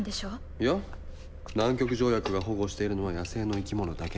いや、南極条約が保護しているのは、野生の生き物だけ。